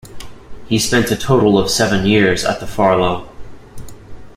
He spent a total of seven years at the Farlow.